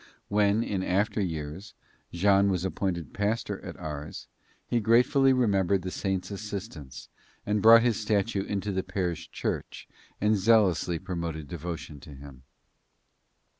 When, in after years, Jean was appointed pastor at Ars, he gratefully remembered the saint's assistance and brought his statue into the parish church and zealously promoted devotion to him.